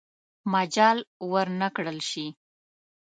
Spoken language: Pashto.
مجال ورنه کړل شي.